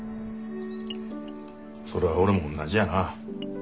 それは俺もおんなじやな。